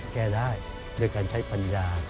แก้ได้ด้วยการใช้ปัญญา